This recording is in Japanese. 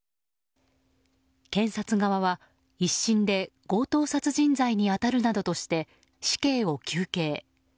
検察側は１審で強盗殺人罪に当たるなどとして死刑を求刑。